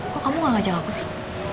kok kamu gak ngajak aku sih